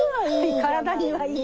体にはいい。